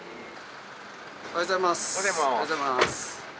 おはようございます。